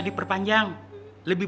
seperti babes sendiri